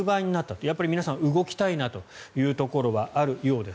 やっぱり皆さん動きたいなというところはあるようです。